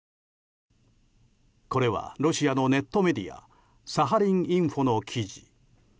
これはロシアのネットメディアサハリン・インフォの記事。